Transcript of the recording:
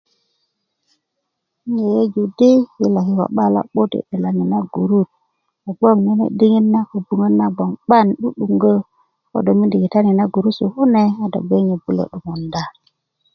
'n yeyeju di ilo kiko' 'ba lo'but i 'delani na gurut kogboŋ nene' diŋit na köbuŋöt na gboŋ 'ban 'du'duŋgö ko do mimindi kitani na gurusu kune a do gbe nyöbulö 'dumunda